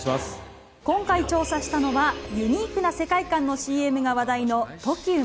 今回調査したのはユニークな世界観のＣＭが話題のあ！